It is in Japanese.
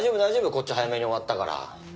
こっちは早めに終わったから。